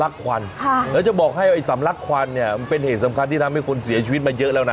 ควันค่ะแล้วจะบอกให้ไอ้สำลักควันเนี่ยมันเป็นเหตุสำคัญที่ทำให้คนเสียชีวิตมาเยอะแล้วนะ